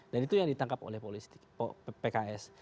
dan itu yang ditangkap oleh politik pks